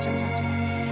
kamu tidak baik